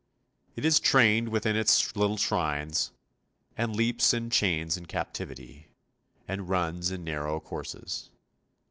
It is trained within its little shrines, and leaps in chains and captivity, and runs in narrow courses.